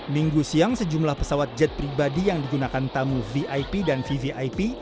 minggu siang sejumlah pesawat jet pribadi yang digunakan tamu vip dan vvip